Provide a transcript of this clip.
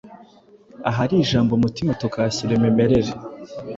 ahari ijambo umutima tukahashyira imimerere.